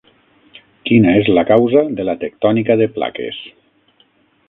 Quina és la causa de la tectònica de plaques